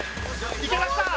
いけました！